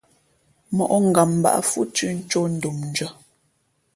Mǒʼ ngam mbǎʼ fhʉ́ thʉ́ tʉ̄ ncō ndomndʉ̄ᾱ.